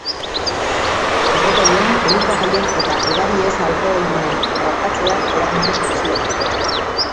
Erregaien, elikagaien eta edari ez alkoholdunen merkatzeak eragin du jaitsiera.